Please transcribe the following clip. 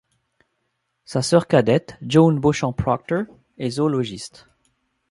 Sa sœur cadette, Joan Beauchamp Procter, est zoologiste.